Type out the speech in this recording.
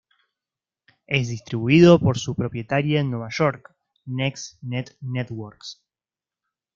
Es distribuido por su propietaria en Nueva York, Next Net Networks.